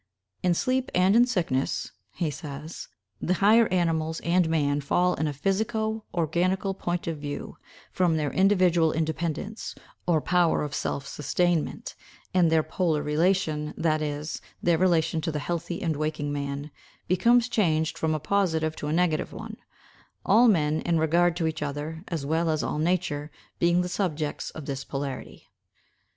"In sleep and in sickness," he says, "the higher animals and man fall in a physico organical point of view, from their individual independence, or power of self sustainment; and their polar relation, that is, their relation to the healthy and waking man, becomes changed from a positive to a negative one; all men, in regard to each other, as well as all nature, being the subjects of this polarity."